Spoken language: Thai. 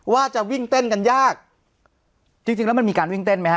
ว่าจะวิ่งเต้นกันยากจริงจริงแล้วมันมีการวิ่งเต้นไหมฮ